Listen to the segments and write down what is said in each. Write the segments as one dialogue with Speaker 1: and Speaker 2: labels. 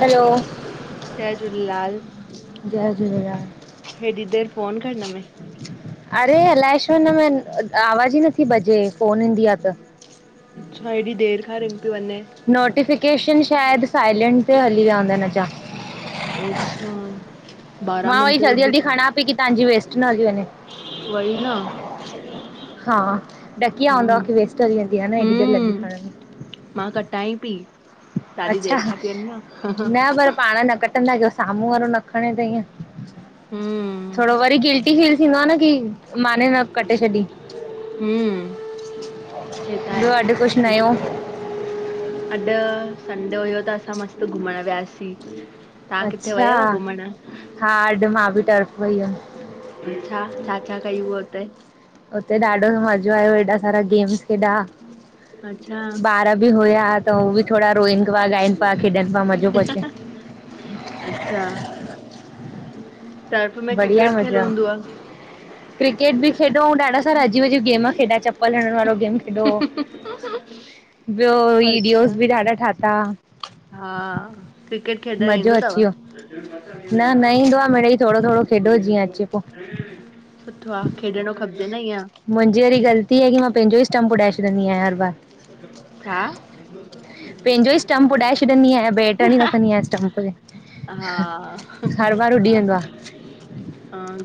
Speaker 1: हलो
Speaker 2: जय झूलेलाल
Speaker 1: जय झूलेलाल
Speaker 2: हेॾी देर फ़ोन खरण में।
Speaker 1: अरे अलाए छो हिन में आवाज ही नथी बजेे फोन ईंदी आ त।
Speaker 2: अच्छा ऐॾी देर खां रिंग पइ वञे।
Speaker 1: नोटिफिकेशन शायद साइलेंट ते हली विआ हूंदा हिन जा।
Speaker 2: अच्छा बारांह
Speaker 1: मां वरी
Speaker 2: मिंट
Speaker 1: जल्दी जल्दी
Speaker 2: अॼु,
Speaker 1: खणां पई की तव्हांजी वेस्ट न हली वञे
Speaker 2: वई न।
Speaker 1: हा ॾक्की विया हूंदव की
Speaker 2: हम्म
Speaker 1: वेस्ट हली वेंदी हा न एॾी देर लॻी खरण
Speaker 2: हम्म
Speaker 1: में।
Speaker 2: मां कटाईं पी।
Speaker 1: अच्छा न पर पाण न कटंदा कयो सामूंह वारो न खणे त ईअं
Speaker 2: हम्म
Speaker 1: थोरो वरी गिल्टी फील थींदो आ न की माने न कटे छॾी।
Speaker 2: हम्म हे त आहे,
Speaker 1: ॿियो अॼु कुछ नयो?
Speaker 2: अॼु संडे हुयो त असां मस्त घुमण वियासीं। तव्हां किथे
Speaker 1: अच्छा
Speaker 2: वयव घुमण?
Speaker 1: हा अॼु मां भी टर्फ वई हुयम।
Speaker 2: अ छा छा छा कई हूते - -
Speaker 1: हुते ॾाढो मजो आयो एॾा सारा गेम्स खेॾा - -
Speaker 2: अच - -
Speaker 1: ॿार बि हुया त उ बि थोरा रोइन पिया ॻाइन पिया खेॾन पिया मजो पियो अचे - -
Speaker 2: अच्छा। टर्फ में
Speaker 1: बढिया
Speaker 2: क्रिकेट खेल
Speaker 1: मजा -
Speaker 2: हूंदो आ,
Speaker 1: - क्रिकेट बि खेॾो ऐं ॾाढा सारा अजीब अजीब गेमा खेॾा चपल हणन वारो। गेम खेडो ॿियो वीडियोस
Speaker 2: अच्छा
Speaker 1: बि ॾाढा ठाता।
Speaker 2: हा क्रिकेट खेॾण
Speaker 1: मज़ो
Speaker 2: ईंदो तव
Speaker 1: अची
Speaker 2: हा।
Speaker 1: वियो न न ईंदो आहे मिड़ई थोरो थोरो खेॾो जीअं अचे पो
Speaker 2: सुठो आ खेॾणो खपजे न ईअं।
Speaker 1: मुंजी वरी ग़लती हे की मां पांजो ई स्टंप उॾाए छॾंदी आयां हर बार।
Speaker 2: छा ह
Speaker 1: पंहिंजो
Speaker 2: - -
Speaker 1: इअं स्टंप के - -
Speaker 2: हा ह
Speaker 1: आहे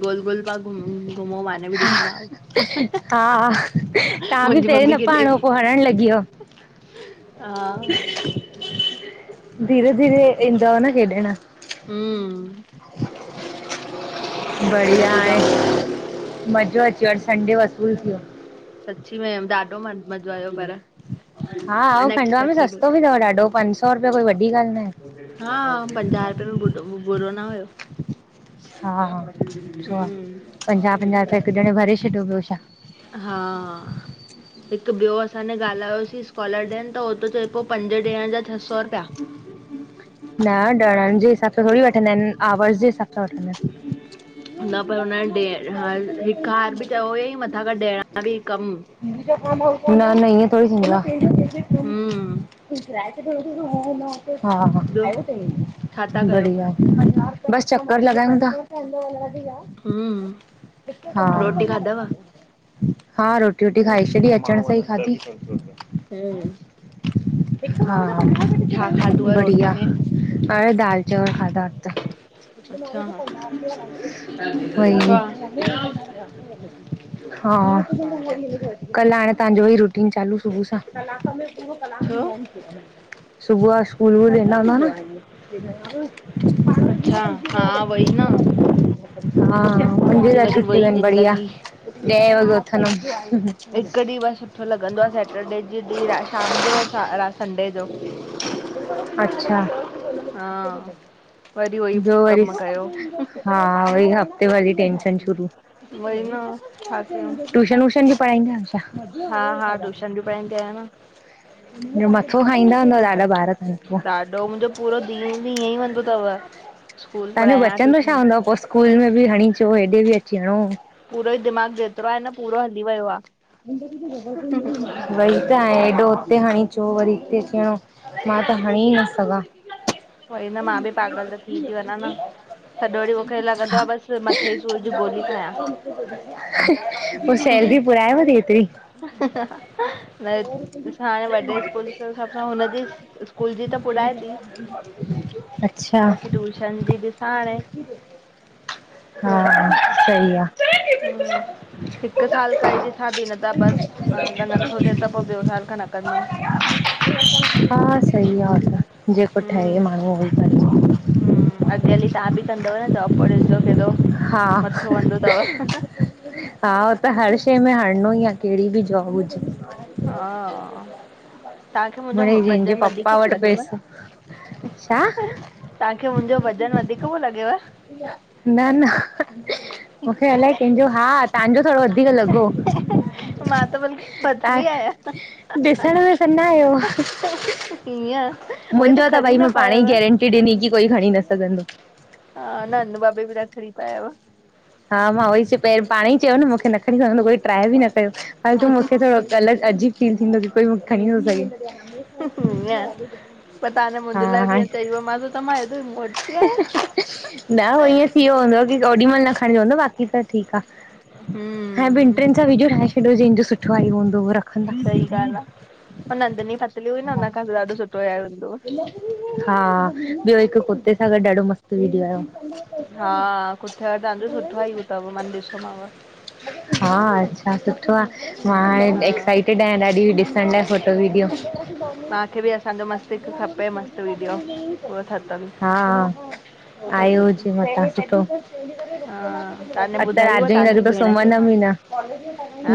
Speaker 2: गोल गोल पग।
Speaker 1: हा हा तां बि
Speaker 2: मुंहिंजी
Speaker 1: पहरीं
Speaker 2: मम्मी
Speaker 1: न
Speaker 2: खेॾे
Speaker 1: पणो
Speaker 2: पई
Speaker 1: पो - - खाया लगी वियो
Speaker 2: हा
Speaker 1: धीरे - - [unintelligible]
Speaker 2: हूं - -
Speaker 1: बढ़िया आए मज़ो अची विओ संडे वसूल थी विओ।
Speaker 2: थी वियम ॾाढो म मजो आयो पर।
Speaker 1: हा ऐं खंडवा में
Speaker 2: अनएक्सपेक्टड
Speaker 1: सस्तो बि अथव ॾाढो पंज सौ रुपया कोई
Speaker 2: हुओ
Speaker 1: वॾी ॻाल्हि न आहे
Speaker 2: हा पंजा रुप। बुडो बुरो न हुयो।
Speaker 1: हा हा छो आ
Speaker 2: हम्म,
Speaker 1: पंजा पंजा रुपया हिक ॼणे भरे छॾो ॿियो छा।
Speaker 2: हा - - हिक ॿियो असां ज ॻाल्हायोसीं स्कॉलरॾेंट हो त चए प पंज ॾहं जा छह सौ रुपया।
Speaker 1: न डरन जे हिसाब सां थोरी वठंदा आइन आवर्स जे हिसाब सां वठंदा आइन।
Speaker 2: न पर हुन ॾे ह हिकु हार बि चयो हुई मथां खां ॾियण बि कम।
Speaker 1: न न इएं थोरी सिंगला - -
Speaker 2: हम्म
Speaker 1: हा हा
Speaker 2: ॿियो छा था कयो
Speaker 1: बढ़िया। बस चकर लॻन था। वध वधी
Speaker 2: हम्म
Speaker 1: क।
Speaker 2: रोटी खाधव
Speaker 1: हा रोटी वोटी खाई छॾी अचण स ईी खाधी।
Speaker 2: हम्म - -
Speaker 1: हा
Speaker 2: छा खाधो आ रोटी
Speaker 1: ब़िया
Speaker 2: में
Speaker 1: हाण दाल चांवल खाधा उत। हिक माणु
Speaker 2: अच्छा
Speaker 1: जी पघार ते घर न हलंदो आहे
Speaker 2: अच्छा
Speaker 1: वही। हा
Speaker 2: हा
Speaker 1: - - कल आाणे ताजों ई रूटीन चालू सुबह सां कलांक में पूरो कलाक
Speaker 2: छो
Speaker 1: थिंदां आहिन। सुबह स्कूल वेंदा हुंदा न।
Speaker 2: अच्छा हा वई न।
Speaker 1: हा - - मुहिंजे
Speaker 2: मुंहिंजी
Speaker 1: लाइ
Speaker 2: वरी
Speaker 1: छुट्टी
Speaker 2: वई
Speaker 1: बढिया
Speaker 2: ज़िंदगी
Speaker 1: ॾह वॻे उथदम।
Speaker 2: हिकु ॾींहुं बस सुठो लॻंदो आ सैटरडे जे ॾींहुं शाम जो और रात संडे जो।
Speaker 1: अच्छा।
Speaker 2: हा वरी उहोई
Speaker 1: व्यो वरी
Speaker 2: कम कयो
Speaker 1: हा वरी हफ़्ते भर टेंशन शुरु।
Speaker 2: वई न छा कयूं
Speaker 1: टूशन वूशन बि पढ़ाईंदा आहियो छा।
Speaker 2: टयूशन भी पणाईंदा आहियो न।
Speaker 1: मथो खाईंदा हूंदव ॾाढा ॿार। तव्हां
Speaker 2: ॾाढो मुहिंजो पूरो ॾींहुं भी ईअं ई वेंदो तव स्कूल
Speaker 1: तव्हांजो
Speaker 2: पढ़ायां
Speaker 1: बचंदो छा
Speaker 2: ट्यूशन।
Speaker 1: हूंदव पो स्कूल में भी हणी अचो हेॾे भी अची हणो।
Speaker 2: पूरो ई दिमाग़ जेतिरो आहे न पूरो हली वियो आ।
Speaker 1: वई त हेॾो उते हणी अचो वरी हिते अचणो। मां त हणी न सघां।
Speaker 2: वरी न मां बि पागल त थी थी वञा न सॼो ॾींहुं मूंखे लॻंदो आहे बसि मथे ई सूर जी गोली खायां
Speaker 1: पोइ सैलरी घुरायव थी हिते ई।
Speaker 2: न असां हाणे वॾे स्कूल जे हिसाब सां हुनजी स्कूल जी त पुॾाए थी,
Speaker 1: अच्छा
Speaker 2: बाक़ी टयूशन जी ॾिसां हाणे।
Speaker 1: हा, सही आ।
Speaker 2: हम्म, हिकु साल करे ॾिसां। थी न ता बस अगर नथो थिए त पोइ ॿियो साल खां न कंदम।
Speaker 1: हा सही आहे छा जेको ठहे
Speaker 2: हम्म
Speaker 1: माण्हू् उहो कजें।
Speaker 2: हम्म, अॻयल तव्हां भी कंदव न जाॅब पोइ ॾिस जो केॾो
Speaker 1: हा
Speaker 2: मथो हणदो अथव।
Speaker 1: हा, हो त हर शइ में हणणो ई आहे कहेड़ी भी जॉब हुजे। [unintelligible]
Speaker 2: हा तव्हांखे मुंहिंजो
Speaker 1: जंहिंजे
Speaker 2: वज़न
Speaker 1: पापा
Speaker 2: वधीक पियो
Speaker 1: वट
Speaker 2: लॻेव
Speaker 1: पैसा छा?
Speaker 2: तव्हांखे मुहिंजो वज़न वधीक पयो लॻेव?
Speaker 1: न-न। मूंखे अलाए कंहिंजो हा, तव्हांजो थोॾो वधीकर लॻो।
Speaker 2: मां त बल्कि
Speaker 1: तव्हां
Speaker 2: पतली आहियां।
Speaker 1: ॾिसण में सन्हा आहियो
Speaker 2: कीअं उहे त खणी न पाया
Speaker 1: गैरेंटी ॾिनी की कोई खणी न सघंदो।
Speaker 2: हा न-न बाबे बि [unintelligible] खणी था आहियव।
Speaker 1: हा, मां उहोई च पाणे ई चयो न मूंखे न खणी पइंदो कोई ट्राए भी न कयो भई तू मूंखे थोडो अलॻ अजीब फील थींदो की कोई मूंखे खणी नथो
Speaker 2: हीअं
Speaker 1: सघे।
Speaker 2: पर तव्हां न मुंहिंजे लाइ
Speaker 1: हा
Speaker 2: बि चयो मांस त मां हेॾी मोटी आहियां
Speaker 1: न हो ईअं थी वियो हूंदव की ओॾी माहिल न खणिजो हूंदो बाक़ी त ठीक आ। हाणे ॿिनि
Speaker 2: हम्म
Speaker 1: टि्न सां विडियो ठाहे छॾियो जहिंजो सुठो आहियो हूंदो उहो रखंदा।
Speaker 2: सही ॻाल्हि आहे नंदनी पतली हुई न हुन खां भी ॾाढो सुठो आय़ो हूंदो।
Speaker 1: हा, ॿयो हिकु कुते सां गॾु ॾाढो मस्त विडियो आहियो।
Speaker 2: हा, कुते तव्हांजो सुठो ई अथव मां ॾिसोमाव।
Speaker 1: हा, अच्छा सुठो आ। मां
Speaker 2: हा
Speaker 1: हाणे एक्साइटेड आहियां ॾाढी ॾिसण लाइ फोटो वीडियो।
Speaker 2: मूंखे बि असांजो मस्तु हिकु खपे मस्तु वीडियो पूरो ठतल
Speaker 1: हा।
Speaker 2: भई
Speaker 1: आयो हूजे मथां सुठो।
Speaker 2: हा तव्हांने
Speaker 1: अॼु
Speaker 2: ॿुधाई
Speaker 1: रात
Speaker 2: हुअ
Speaker 1: जो ई
Speaker 2: तव्हांजी
Speaker 1: लॻंदो
Speaker 2: भेण खे
Speaker 1: सुमंदम ही न।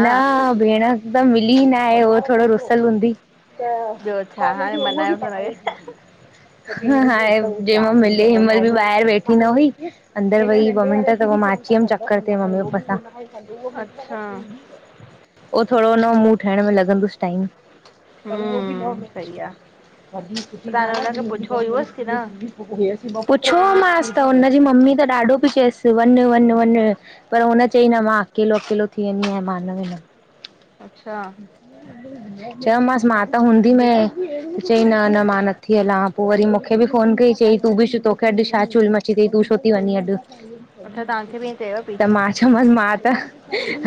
Speaker 1: हा, भेण त मिली न आहे उहो थोरो रुसल हूंदी त
Speaker 2: ॿियो छा
Speaker 1: कॉलेज
Speaker 2: हाणे
Speaker 1: में उहा बि
Speaker 2: मनायोसि
Speaker 1: पढ़ाई
Speaker 2: हुनखे
Speaker 1: न हाणे जे महिल मिली हिनमहिल बि ॿाहिरि वेठी न हुई। अंदरि वई ॿ मिंट त पोइ मा अची वयमि चकर ते मम्मी पापा सां
Speaker 2: अच्छा
Speaker 1: उहो थोरो हुन मुंहुं ठाहिण में लगंदुसि टाइम। त उहो बि लाॅ
Speaker 2: हम्म
Speaker 1: करे
Speaker 2: सही
Speaker 1: छडंदी,
Speaker 2: आहे
Speaker 1: वॾी
Speaker 2: त
Speaker 1: सुठी
Speaker 2: तव्हां
Speaker 1: ॻाल्हि आहे
Speaker 2: हुनखे
Speaker 1: ॿिननि जी
Speaker 2: पुछियो हुयुसि की
Speaker 1: लाॅ
Speaker 2: न
Speaker 1: [inaudible] थींदी। पुछो मांसि त हुनजी मम्मी त ॾाढो पई चएसि त वञ वञ वञ पर हुन चई न मा अकेलो अकेलो थी वेंदी आयां मा न वेंदमि।
Speaker 2: अच्छा
Speaker 1: चयो मासि मां त हूंदी मय चई न न मा नथी हला पो वरी मूंखे बि फोनु कई चई तूं बि च तोखे अॼु छा चुल म ची तू छो ती वञी अॼु
Speaker 2: अच्छा तव्हांखे बि ईअं चयव पई
Speaker 1: त मां च चयमांसि मा त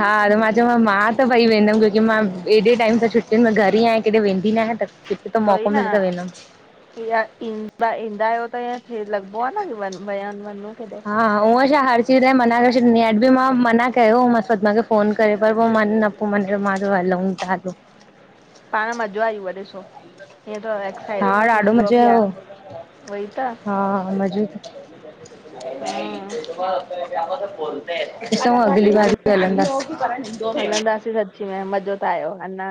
Speaker 1: हा त मां चयोमाम मां त भई वेंदमि कुझु की मां एॾे टाइम सां छुट्टियुनि में घर ई आहियां किॾे वेंदी न आहियां त किथे त
Speaker 2: वई
Speaker 1: मौक़ो
Speaker 2: न
Speaker 1: मिले त वेंदमि
Speaker 2: ईहा ईंदा ईंदा आयो त इय लॻबो आ न वन वया वञूं किॾे।
Speaker 1: हा उअं छा हर चीज़ लाइ मना करे छॾीदीं आया, ॿयो मां मना कयो मास पर पऐजो फ़ोनु करे पर पो मने न पो मन चयो मां चयो हलऊं ता जो
Speaker 2: पाण मज़ो आयो उव ॾिसो, इएं त एक्साइट
Speaker 1: हा
Speaker 2: हो
Speaker 1: ॾाढो
Speaker 2: थींदो
Speaker 1: मज़ो
Speaker 2: बि आ,
Speaker 1: आयो
Speaker 2: उहई त।
Speaker 1: हा मज़ो [unintelligible]
Speaker 2: हम्म
Speaker 1: सब बोलते है। [unintelligible]
Speaker 2: सच में मज़ो त आयो अंञा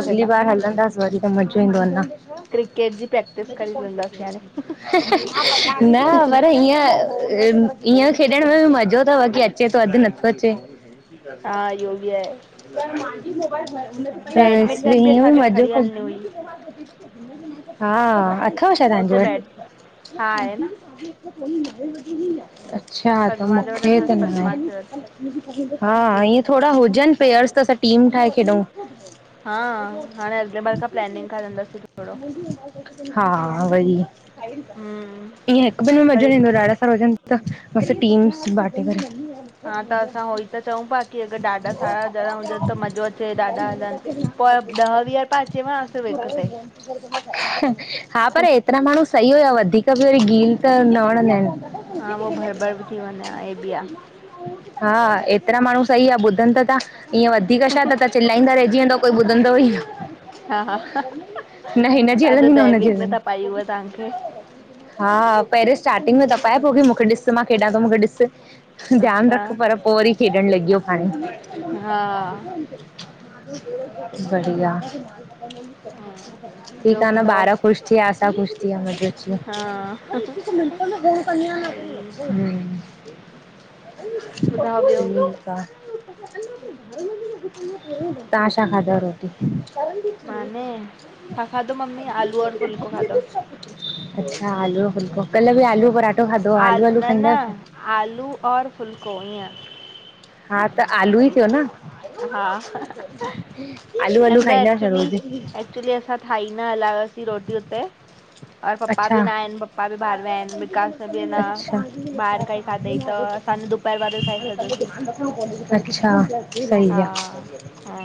Speaker 1: अगली बार हल दस त वरी त मज़ो ईंदो अंञा।
Speaker 2: क्रिकेट जी प्रैक्टिस
Speaker 1: हि
Speaker 2: करे हलंदासीं हाणे
Speaker 1: हि ह न वर हिय ईय खेॾण में बि मज़ो त बाकी अचे तो अधु नथो अचे।
Speaker 2: हा इहो बि आहे
Speaker 1: [unintelligible] त इस
Speaker 2: बैडमिंटन
Speaker 1: इएं बि
Speaker 2: असांखे
Speaker 1: मजो
Speaker 2: खणी
Speaker 1: कईं
Speaker 2: हलणी हुई
Speaker 1: हा,
Speaker 2: मस्तु
Speaker 1: अथव छा तव्हांजे
Speaker 2: उते
Speaker 1: वटि।
Speaker 2: बैड हा आहे न
Speaker 1: अच्छा, त
Speaker 2: पदमा जे वटि
Speaker 1: मूंखे त
Speaker 2: अथसि
Speaker 1: न
Speaker 2: पदमा
Speaker 1: आहे।
Speaker 2: जे वटि
Speaker 1: हा इएं थोडा हुजनि पेयर्स त असां टीम ठाहे खेॾऊ।
Speaker 2: हा हाणे अॻिले बार खां प्लैनिंग करे हलंदासीं थोरो
Speaker 1: [unintelligible] हा वई
Speaker 2: हम्म
Speaker 1: इएं हिकु ॿिनि में मज़ो न
Speaker 2: वरी
Speaker 1: ईंदो आ ॾाढा सारा हुजन त बस टीम्स बाटे करे
Speaker 2: हा त असां उहो
Speaker 1: उ
Speaker 2: ई त चऊं पिया की
Speaker 1: कपड़ा
Speaker 2: अगरि ॾाढा सारा
Speaker 1: पया
Speaker 2: ॼणा हुजनि त
Speaker 1: हुआ
Speaker 2: मज़ो अचे ॾाढा हलनि पोइ ॾह वीह पिया अचेव सिर्फ़ु हिक ते
Speaker 1: [unintelligible] हा पर एतिरा माण्हू सही हुयव वधीक बि वरी गील कर न वणंदा आहिन।
Speaker 2: हा उहो भर बड बि थी वञे आ हे बि आ।
Speaker 1: हा एतिरा माण्हू सही आ ॿुधनि त ता इय वधिक छा त त चिल्लाईंदा रहिजी वेंदव कोई ॿुधंदो ई न।
Speaker 2: हा हा
Speaker 1: न हिनजी
Speaker 2: तव्हांजो
Speaker 1: हलंदी न हुनजी
Speaker 2: दैविक में
Speaker 1: हलंदी
Speaker 2: त पाई हूअ तव्हांखे
Speaker 1: हा पहरे स्टार्टिंग में तपाए पो की मूंखे ॾिस मां खेॾा तो मूंखे ॾिस ध्यानु
Speaker 2: अच्छा
Speaker 1: रख पर पो वरी खेॾणु लॻीयो पाणे।
Speaker 2: हा
Speaker 1: [unintelligible]
Speaker 2: सही आहे
Speaker 1: बढिया,
Speaker 2: हा
Speaker 1: ठीक
Speaker 2: ॿियो
Speaker 1: आ न
Speaker 2: ॿुधायो
Speaker 1: ॿार ख़ुश थीआ आसा ख़ुश थीआ मज़ो अची
Speaker 2: हा
Speaker 1: वयो।
Speaker 2: भई [inaudible] ॿुधायो ॿियो
Speaker 1: ठीकु आ। तां शा खाधव रोटी?
Speaker 2: माने छा खाधो मम्मी आलू और फुल्को खाधो
Speaker 1: [unintelligible] अच्छा, आलूअ जो फुलको कल्ह बि आलू पराठो खाधो हो, आलू
Speaker 2: आल
Speaker 1: आलू
Speaker 2: न न
Speaker 1: खाईंदा आहियो छा?
Speaker 2: आलू और फुलको इअं
Speaker 1: हा, त आलू ई थियो न!
Speaker 2: हा
Speaker 1: आलू आलू
Speaker 2: हिनमहिल
Speaker 1: खाईंदां छा
Speaker 2: एक्चुली
Speaker 1: रोजु
Speaker 2: एक्चुली असां ठाही न हलायोसीं रोटी हुते और पपा बि
Speaker 1: अच्छा
Speaker 2: न आहिनि पपा बि ॿाहिर विया आहिनि, विकास ने बि न
Speaker 1: अच्छा
Speaker 2: ॿाहिरि काई खाधईं त असां ॿाहिर वारो खाई छॾो।
Speaker 1: अच्छा
Speaker 2: हा,
Speaker 1: सही आ
Speaker 2: हा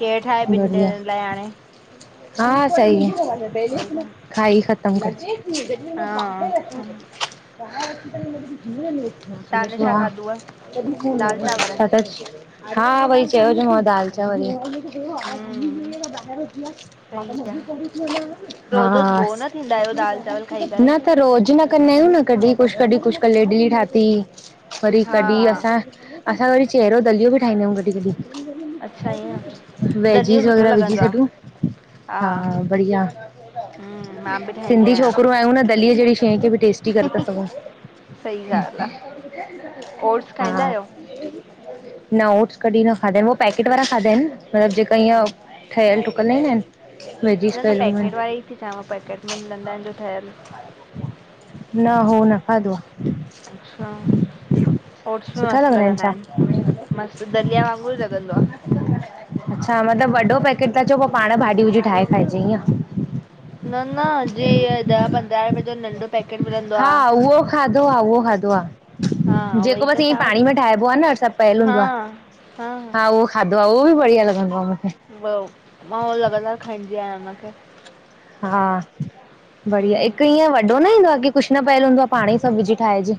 Speaker 2: केरु ठाहे ॿिनि
Speaker 1: बढ़िया
Speaker 2: ॼणनि लाइ हाणे
Speaker 1: हा, सही
Speaker 2: उहोई
Speaker 1: आ खाई खत्म कजे। जॾहिं मां
Speaker 2: हा
Speaker 1: ॿाहिरि करे
Speaker 2: तव्हां छा खाधुव दाल चांवर
Speaker 1: [unintelligible] छा था हा, वई चयो मांव दाल चांवर हा,
Speaker 2: हम्म सही आहे रोज़ रोज़ बोर न थींदा
Speaker 1: स्
Speaker 2: आहियो दाल चांवर खाई करे
Speaker 1: न त, रोजु न कंदा आहियूं न, कॾीं कुझु कॾीं कुझु कल इडली ठाती वरी
Speaker 2: हा
Speaker 1: कॾीं असां असां वरी चहिरो दलियो बि ठाहींदा आहियूं कॾीं कॾीं
Speaker 2: अच्छा ईअं दलियो
Speaker 1: वेजिस
Speaker 2: सुठो
Speaker 1: वगैरह विझी
Speaker 2: लॻंदो
Speaker 1: छॾूं
Speaker 2: आहे
Speaker 1: हा बढ़िया
Speaker 2: हम्म मां बि ठाहींदी
Speaker 1: सिंधी
Speaker 2: आहियां
Speaker 1: छोकिरो आहियूं न, दलीऐ जहिड़ी शइ खे बि टेस्टी करे था सघूं।
Speaker 2: सही ॻाल्हि आ, ओट्स खाईंदा
Speaker 1: हा
Speaker 2: आहियो?
Speaker 1: न ओट्स कॾीं न खाधा आहिनि, हो पैकेट वारा खाधा आहिनि मतिलबु जेका
Speaker 2: हा,
Speaker 1: हीअं ठहियल ठुकल न ईंदा आहिनि
Speaker 2: न न
Speaker 1: पयल हूंदा
Speaker 2: पैकेट वारे
Speaker 1: आहिनि
Speaker 2: ई थी चवां, पैकेट में मिलंदा आहिनि जो ठहियल
Speaker 1: न, हो न खाधो आ।
Speaker 2: अच्छा। ओट्स बि मस्तु लॻंदा आहिनि, मस्तु दलिया वांगुर ई लॻंदो आ।
Speaker 1: अच्छा मतिलबु वॾो पैकेट था चओ, पोइ पाण भाॼीयूं विझी ठाहे खाइजे ईअं
Speaker 2: न न, जीअं ॾह पंद्रहं रुपये जो नंढो पैकेट मिलंदो आ।
Speaker 1: हा, उहो खाधो आ उहो खाधो आ।
Speaker 2: हा
Speaker 1: जेको
Speaker 2: उहोई त
Speaker 1: बसि ईअं
Speaker 2: चवां
Speaker 1: पाणी
Speaker 2: थी,
Speaker 1: में ठाहिबो आ न, सभु पयलु
Speaker 2: हा
Speaker 1: हूंदो आ हा उह खाधो आ उहो बि बढ़िया लॻंदो आ मूंखे।
Speaker 2: मां उहो लॻातार खाईंदी आहियां हुनखे
Speaker 1: हा, बढ़िया हिकु
Speaker 2: हम्म,
Speaker 1: ईअं वॾो न ईंदो आ कि कुझु न पयलु हूंदो आ, पाण ई सभु विझी ठाहिजे।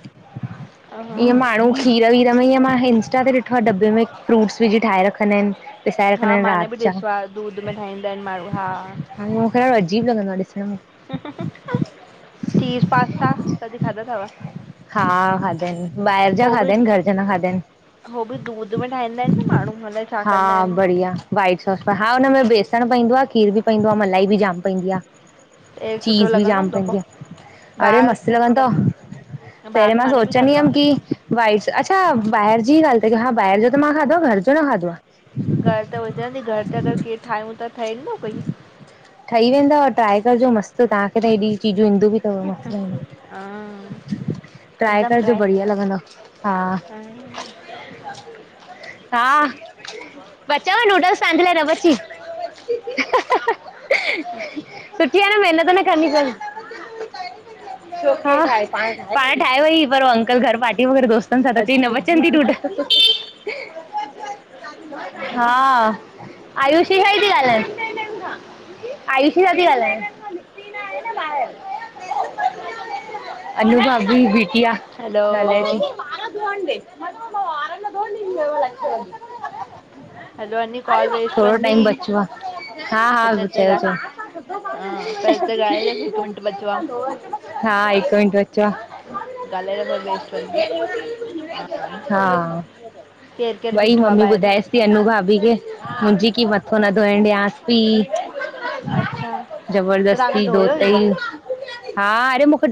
Speaker 2: ह हा
Speaker 1: ईअं माण्हू खीर वीर में, ईअं मां इंस्टा ते ॾिठो आ डॿे में फ्रूट्स विझी ठाहे रखंदा आहिनि। पिसाए रखंदा
Speaker 2: हा
Speaker 1: आहिनि
Speaker 2: माने बि
Speaker 1: राति जा
Speaker 2: ॾिसो आ, दूध में ठाहींदा आहिनि माण्हू हा
Speaker 1: हाणे मूंखे ॾाढो अजीब लॻंदो आ ॾिसण में
Speaker 2: चीज पास्ता कॾी खाधा तव?
Speaker 1: हा खाधा आहिनि, ॿाहिरि जा खाधा आहिनि घर जा न खाधा आहिनि।
Speaker 2: हो बि दूध में ठाहींदा आहिनि न माण्हू अलाए छा कंदा
Speaker 1: हा
Speaker 2: आहिनि
Speaker 1: बढ़िया, वाइट सॉस हा हुनमें बेस बेसण पवंदो आ, खीरु बि पवंदो आ, मलाई बि जाम पवंदी आ।
Speaker 2: टेस्ट सुठो
Speaker 1: चीज बि
Speaker 2: लॻंदो
Speaker 1: जाम
Speaker 2: हूंदो पो
Speaker 1: पवंदी आ, अरे
Speaker 2: ॿाहिरि
Speaker 1: मस्त
Speaker 2: सुठो लॻ
Speaker 1: लॻंदो तव।
Speaker 2: ॿाहिरि
Speaker 1: पहिरियों
Speaker 2: त
Speaker 1: मां
Speaker 2: माने बि
Speaker 1: सोचंदी
Speaker 2: खाधो
Speaker 1: हुयम
Speaker 2: आ
Speaker 1: की वाइट्स अच्छा ॿाहिर जी ई ॻाल्ह त कयो हा ॿाहिर जो त मां खाधो आ घर जो न खाधो आ।
Speaker 2: घर त विजंदी घर ते अगर केर ठाहियूं त ठहेन थो कोई।
Speaker 1: ठही वेंदव ट्राए कजो मस्त, तव्हांखे त हेॾी चीजूं ईंदियूं बि तव में
Speaker 2: हा
Speaker 1: ट्राए करजो बढ़िया लॻंदो हा हा बचयव नुडल्स तां जे लाय न बची? सुठी आ न महिनत न करणी पवंदी पाण ठाहे वई पर अंकल घर पार्टी पयो करें दोस्तन सां त चई न बचनदी नूडल्स। त [inaudible]
Speaker 2: [inaudible]
Speaker 1: हा आयुषी सां ती ॻालांय आयुषी सां थी ॻाल्हायां अनु भाभी जी बिटीया
Speaker 2: हलो
Speaker 1: गालयती। पो वार न धोयण ॾींदी मां।
Speaker 2: हैलो अनटी कॉल वेस्ट वंदी।
Speaker 1: बचो आहे हा हा चयोस
Speaker 2: हा पर हिते ॻाल्हाए रख हिकु मिंट बचो आ
Speaker 1: हा! हिक मिंट अच्छा!
Speaker 2: ॻाल्हाए रख वेस्ट वेंदी हा
Speaker 1: हा
Speaker 2: केरु केरु
Speaker 1: वई
Speaker 2: बीठो आ
Speaker 1: मम्मी
Speaker 2: ॿाहिरि
Speaker 1: ॿुधायस पयी अनु भाभी खे। मुंजी, की मथो न धोइएंण डियास ती।
Speaker 2: अच्छा त तव्हां ने
Speaker 1: जबरदस्ती
Speaker 2: धोयो हुयव
Speaker 1: धोतई, हा अड़े मुखे